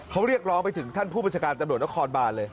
เขาเรียกร้องไปถึงท่านผู้บัญชาการตำรวจนครบานเลย